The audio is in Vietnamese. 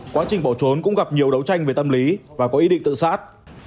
quá trình bỏ trốn cũng gặp nhiều đấu tranh về tâm lý và có ý định tự sát